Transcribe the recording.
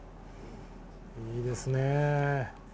いいですね。